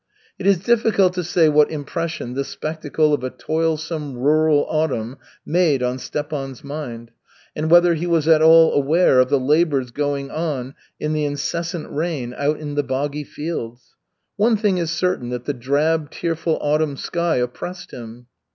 It is difficult to say what impression this spectacle of a toilsome, rural autumn made on Stepan's mind, and whether he was at all aware of the labors going on in the incessant rain out in the boggy fields. One thing is certain, that the drab, tearful autumn sky oppressed him.